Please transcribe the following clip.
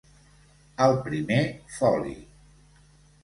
Al Primer Foli.